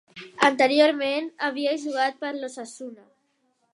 Anteriorment, havia jugat per l'Osasuna.